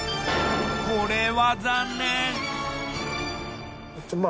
これは残念。